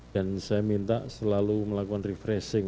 dan saya minta selalu melakukan refreshing